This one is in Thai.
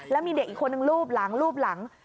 แล้วมีเด็กอีกคนนึงลูบหลัง